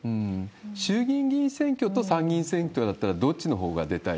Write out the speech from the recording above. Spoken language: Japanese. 衆議院議員選挙と参議院選挙だったら、どっちのほうが出たい